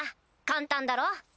簡単だろ？